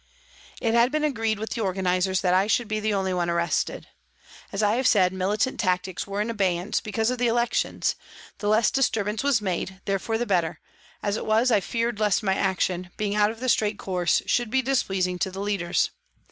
It had been agreed with the organisers that I should be the only one arrested. As I have said, militant tactics were in abeyance because 246 PRISONS AND PRISONERS of the elections, the less disturbance was made, therefore, the better ; as it was, I feared lest my action, being out of the straight course, should be displeasing to the leaders.